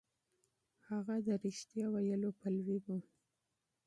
هغه د رښتيا ويلو پلوی و.